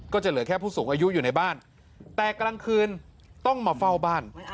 ก็จะเหลือแค่ผู้สูงอายุอยู่ในบ้านแต่กลางคืนต้องมาเฝ้าบ้าน